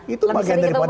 itu bagian daripada